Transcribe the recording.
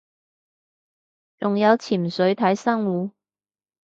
仲有潛水睇珊瑚